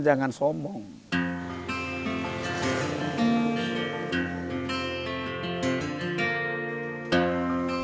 jangan berpikir pikir jangan berpikir pikir